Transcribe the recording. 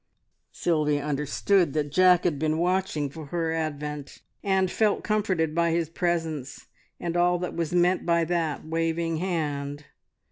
Sylvia understood that Jack had been watching for her advent, and felt comforted by his presence, and all that was meant by that waving hand.